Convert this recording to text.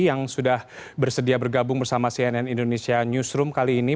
yang sudah bersedia bergabung bersama cnn indonesia newsroom kali ini